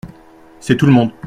C’est tout le monde.